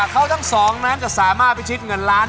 ก็ต้องมาวัดกัน